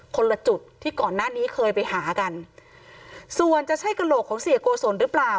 คนละจุดที่ก่อนหน้านี้เคยไปหากันส่วนจะใช่กระโหลกของเสียโกศลหรือเปล่า